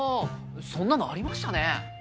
そんなのありましたね。